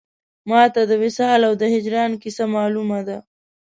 ما ته د وصال او د هجران کیسه مالومه ده